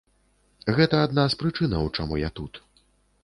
Гэта адна з прычынаў, чаму я тут.